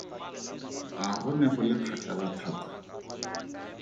A go ne go le kgakala thata.